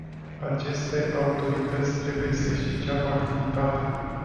Aceste autorități trebuie să-și înceapă activitatea.